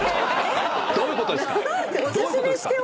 どういうことですか？